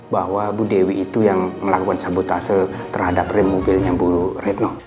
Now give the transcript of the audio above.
bahwa bu dewi itu yang melakukan sabotase terhadap rem mobilnya bu retno